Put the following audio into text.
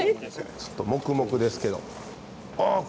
ちょっとモクモクですけど。